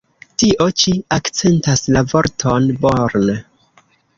Tio ĉi akcentas la vorton "born".